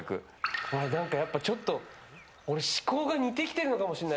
ちょっと俺、思考が似てきてるのかもしれない。